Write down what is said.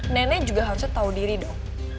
nenek juga harusnya tahu diri dong